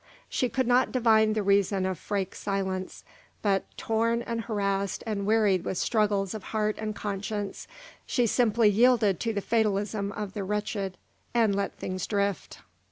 She could not divine the reason of Freke's silence, but, torn and harassed and wearied with struggles of heart and conscience, she simply yielded to the fatalism of the wretched, and let things drift.